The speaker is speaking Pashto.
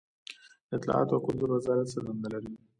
د اطلاعاتو او کلتور وزارت څه دنده لري؟